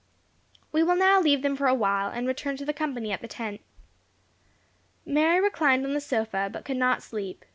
We will now leave them for awhile, and return to the company at the tent. Mary reclined on the sofa, but could not sleep.